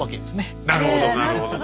なるほどなるほど。